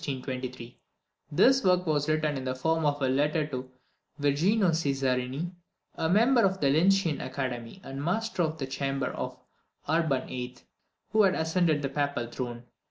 This work was written in the form of a letter to Virginio Cesarini, a member of the Lyncæan Academy, and master of the chamber to Urban VIII., who had just ascended the papal throne.